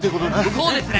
・そうですね！